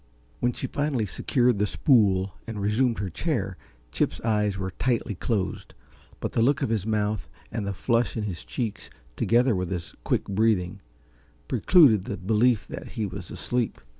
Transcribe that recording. When she finally secured the spool and resumed her chair, Chip's eyes were tightly closed, but the look of his mouth and the flush in his cheeks, together with his quick breathing, precluded the belief that he was asleep.